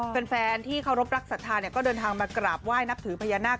เป็นแฟนที่เขารบรักษฐานเนี่ยก็เดินทางมากราบไหว้นับถือพญานาค